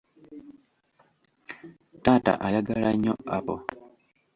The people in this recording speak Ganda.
Taata ayagala nnyo apo.